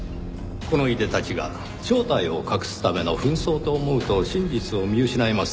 このいでたちが正体を隠すための扮装と思うと真実を見失います。